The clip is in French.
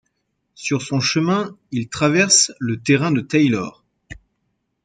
Sur son chemin, il traverse le terrain de Taylor.